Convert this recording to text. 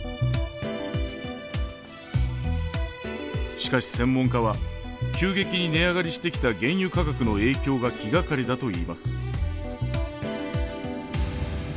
しかし専門家は急激に値上がりしてきた原油価格の影響が気がかりだと言います。